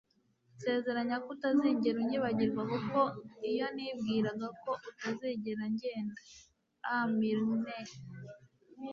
nsezeranya ko utazigera unyibagirwa kuko iyo nibwiraga ko utazigera ngenda - aa milne